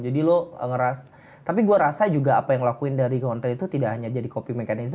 jadi lu ngeras tapi gue rasa juga apa yang lu lakuin dari konten itu tidak hanya jadi coping mechanism